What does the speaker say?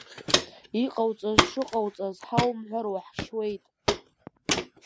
Иҟоуҵаз шыҟоуҵаз ҳаумҳәар уаҳшьуеит!